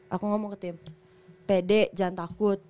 aku ngomong ke tim pede jangan takut